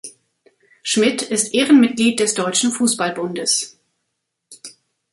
Schmidt ist Ehrenmitglied des Deutschen Fußball-Bundes.